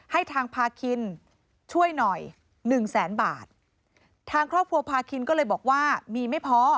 ให้ทางพาคินช่วยหน่อยหนึ่งแสนบาททางครอบครัวพาคินก็เลยบอกว่ามีไม่พอ